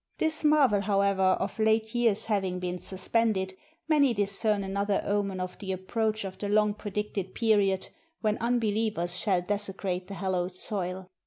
This marvel, however, of late years having been suspended, many discern another omen of 539 ARABIA the approach of the long predicted period when un believers shall desecrate the hallowed soil.